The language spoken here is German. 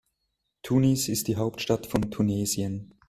Tunis ist die Hauptstadt von Tunesien.